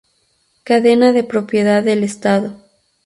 Cadena de propiedad del Estado.